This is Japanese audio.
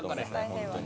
本当に。